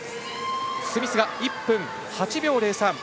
スミス、１分８秒０３。